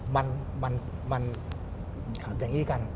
มันอย่างนี้กัน